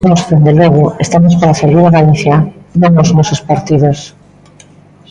Nós, dende logo, estamos para servir a Galicia, non aos nosos partidos.